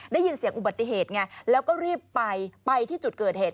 ได้ยินเสียงอุบัติเหตุไงแล้วก็รีบไปไปที่จุดเกิดเหตุ